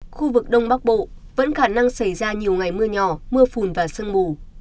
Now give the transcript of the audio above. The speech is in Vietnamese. khu vực đông bắc bộ vẫn khả năng xảy ra nhiều ngày mưa nhỏ mưa phùn và sương mù